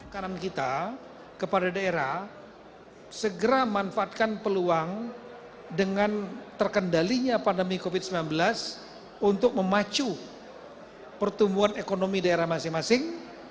kanan kita kepada daerah segera manfaatkan peluang dengan terkendalinya pandemi covid sembilan belas untuk memacu pertumbuhan ekonomi daerah masing masing